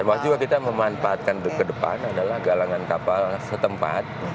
termasuk juga kita memanfaatkan ke depan adalah galangan kapal setempat